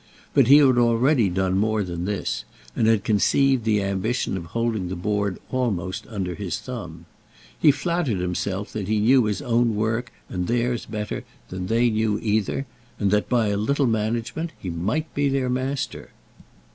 But he had already done more than this, and had conceived the ambition of holding the Board almost under his thumb. He flattered himself that he knew his own work and theirs better than they knew either, and that by a little management he might be their master.